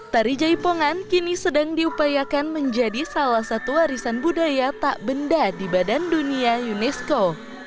tari jaipongan kini sedang diupayakan menjadi salah satu warisan budaya tak benda di badan dunia unesco